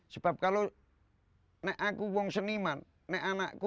sebab kalau nek aku wong seniman nek anakku